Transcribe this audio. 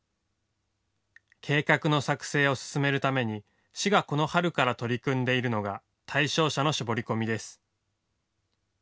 計画の作成を進めるために市がこの春から取り組んでいるのが対象者の絞り込みです。